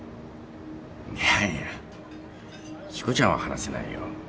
いやいやしこちゃんは話せないよ。